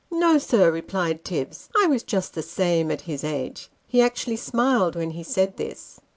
" No, sir," replied Tibbs ;" I was just the same at his age." He actually smiled when he said this.